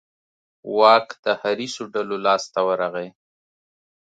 واک د حریصو ډلو لاس ته ورغی.